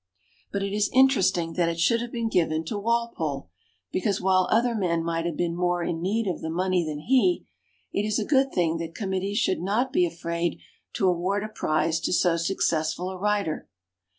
But it is interesting that it should have been given to Wal pole, because while other men might have been more in need of the money than he, it is a good thing that com mittees should not be afraid to award a prize to so successful a writer.